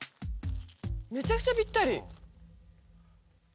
めちゃくちゃぴったり！